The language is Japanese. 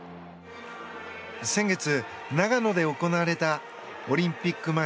先月、長野で行われたオリンピック